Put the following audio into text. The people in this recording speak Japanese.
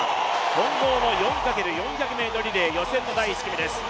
混合の４×４００ｍリレー、予選の第１組です。